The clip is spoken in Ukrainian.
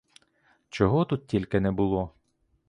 Чого тут тільки не було!